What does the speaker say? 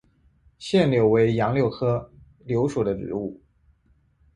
腺柳为杨柳科柳属的植物。